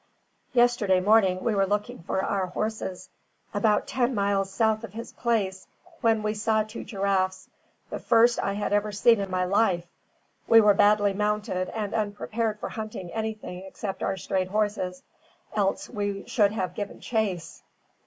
Yesterday morning we were looking for our horses about ten miles south of his place, when we saw two giraffes, the first I had ever seen in my life. We were badly mounted, and unprepared for hunting anything except our strayed horses, else we should have given chase."